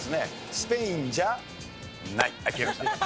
スペインじゃ、ない。